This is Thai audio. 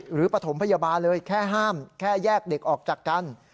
ปฐมพยาบาลเลยแค่ห้ามแค่แยกเด็กออกจากกัน